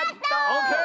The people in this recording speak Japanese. オーケー！